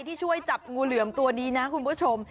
ที่ช่วยจับงูเหลือมตัวนี้นะคุณผู้ชม